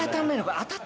当たった！